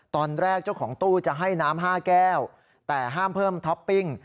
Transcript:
เจ้าของตู้จะให้น้ำ๕แก้วแต่ห้ามเพิ่มท็อปปิ้ง